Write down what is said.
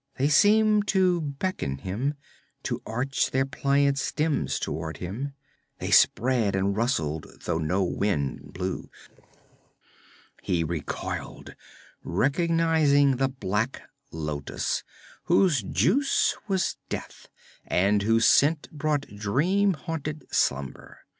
They seemed to beckon him, to arch their pliant stems toward him. They spread and rustled, though no wind blew. He recoiled, recognizing the black lotus, whose juice was death, and whose scent brought dream haunted slumber.